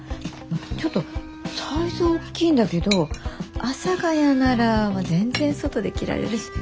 ちょっとサイズは大きいんだけど阿佐ヶ谷なら全然外で着られるし。